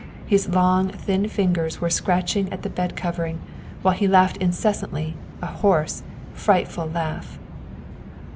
His long, thin fingers were scratching at the bed covering, while he laughed incessantly, a hoarse, frightful laugh.